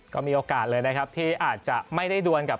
ก็มีโอกาสเลยนะครับที่อาจจะไม่ได้ดวนกับ